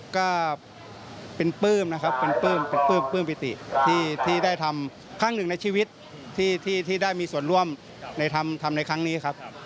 ก็เป็นเปิ้มพิตีที่ได้ทำครั้งหนึ่งในชีวิตที่ได้มีส่วนร่วมทำในครั้งนี้ครับ